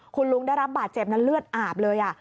คุณลุงได้รับบาดเจ็บนั้นเลือดอาบเลย